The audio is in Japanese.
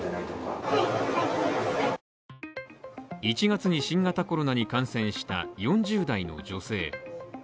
１月に新型コロナに感染した４０代の女性。